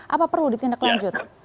apa perlu ditindak lanjut